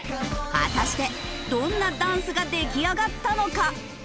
果たしてどんなダンスが出来上がったのか！